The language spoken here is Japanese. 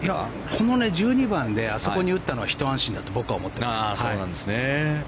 この１２番であそこに打ったのはひと安心だと思います。